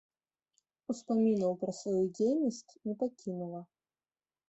Успамінаў пра сваю дзейнасць не пакінула.